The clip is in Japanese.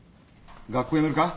学校辞めるか？